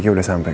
dia udah datang